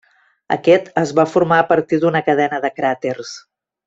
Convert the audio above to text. Aquest es va formar a partir d'una cadena de cràters.